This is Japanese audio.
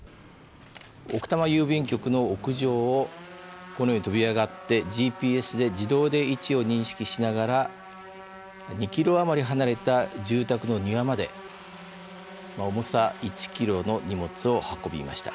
奥多摩郵便局の屋上をこのように飛び上がってＧＰＳで自動で位置を認識しながら２ｋｍ余り離れた住宅の庭まで重さ１ｋｇの荷物を運びました。